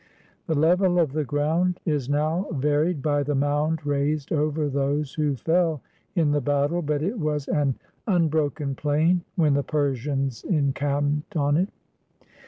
The level of the ground is now varied by the mound raised over those who fell in the battle, but it was an unbroken plain when the Persians encamped on it.